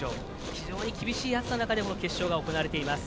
非常に厳しい暑さの中でも決勝が行われています。